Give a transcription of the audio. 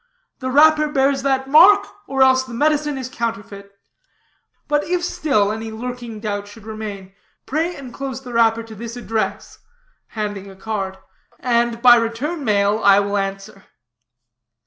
The wrapper bears that mark or else the medicine is counterfeit. But if still any lurking doubt should remain, pray enclose the wrapper to this address," handing a card, "and by return mail I will answer."